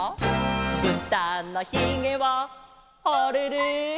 「ぶたのひげはあれれ」